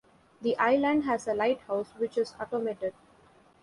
The island has a lighthouse, which is automated.